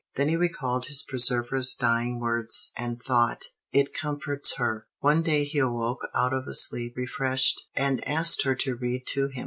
Then he recalled his preserver's dying words, and thought, "It comforts her." One day he awoke out of a sleep, refreshed, and asked her to read to him.